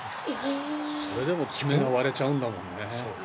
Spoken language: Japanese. それでも爪が割れちゃうんだもんね。